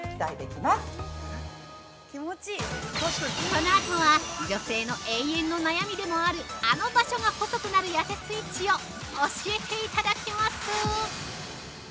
◆このあとは女性の永遠の悩みでもあるあの場所が細くなるやせスイッチを教えていただきます。